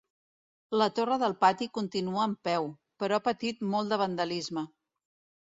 La torre del pati continua en peu, però ha patit molt de vandalisme.